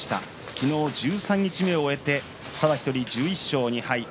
昨日、十三日目を終えてただ１人１１勝２敗。